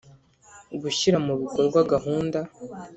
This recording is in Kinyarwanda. Gushyira mu bikorwa gahunda